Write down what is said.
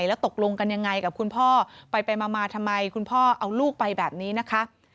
แล้วตกลงกันยังไงกับคุณพ่อไปมาทำไมคุณพ่อเอาลูกไปแบบนี้นะคะ